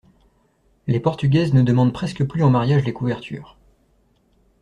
Les portugaises ne demandent presque plus en mariage les couvertures...